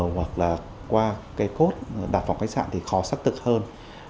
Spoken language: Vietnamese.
hoặc là qua cái cốt đặt vào khách sạn thì khó xác tật hơn